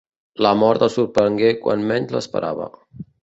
La mort el sorprengué quan menys l'esperava.